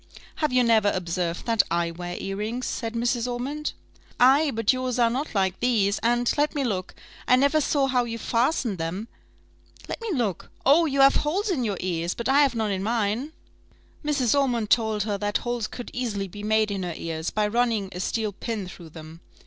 "Have you never observed that I wear earrings?" said Mrs. Ormond. "Ay! but yours are not like these, and let me look I never saw how you fastened them let me look oh! you have holes in your ears; but I have none in mine." Mrs. Ormond told her that holes could easily be made in her ears, by running a steel pin through them.